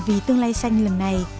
vì tương lai xanh lần này